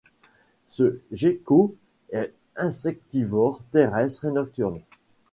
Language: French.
Ce gecko est insectivore, terrestre et nocturne.